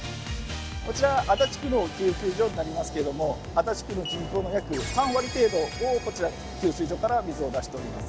こちら足立区の給水所になりますけども足立区の人口の約３割程度をこちらの給水所から水を出しております。